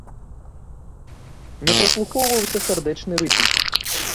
Не праслухоўваўся сардэчны рытм.